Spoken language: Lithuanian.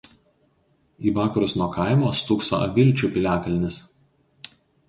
Į vakarus nuo kaimo stūkso Avilčių piliakalnis.